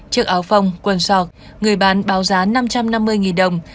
chiếc áo phong quần sọc người bán báo giá năm trăm năm mươi đồng